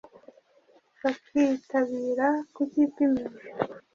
bakitabira kucyipimisha